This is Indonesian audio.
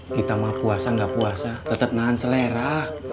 kita mah puasa gak puasa tetap nahan selera